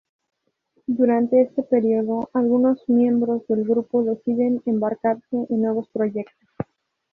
Durante este periodo, algunos miembros del grupo deciden embarcarse en nuevos proyectos.